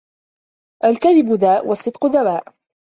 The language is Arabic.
الكذب داء والصدق دواء